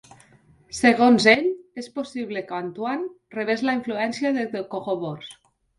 Segons ell, és possible que Antoine rebés la influència de dukhobors.